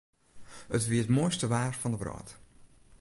It wie it moaiste waar fan de wrâld.